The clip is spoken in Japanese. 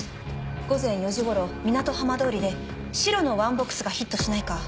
午前４時頃港浜通りで白のワンボックスがヒットしないか。